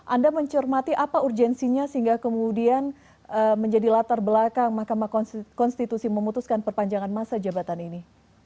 anda mencermati apa urgensinya sehingga kemudian menjadi latar belakang mahkamah konstitusi memutuskan perpanjangan masa jabatan ini